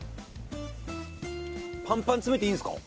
パンパンに詰めていいんですか？